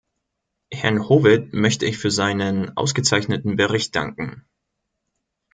Herrn Howitt möchte ich für seinen ausgezeichneten Bericht danken.